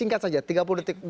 singkat saja tiga puluh detik